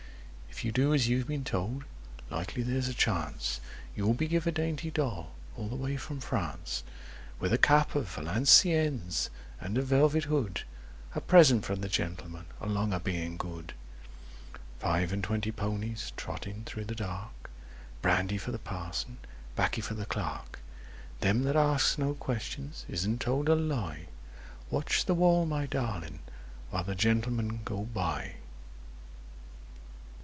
If you do as you've been told, 'likely there's a chance, You'll be given a dainty doll, all the way from France, With a cap of Valenciennes, and a velvet hood— A present from the Gentlemen, along o' being good! Five and twenty ponies, Trotting through the dark— Brandy for the Parson, 'Baccy for the Clerk; Them that asks no questions isn't told a lie— Watch the wall, my darling, while the Gentlemen go by!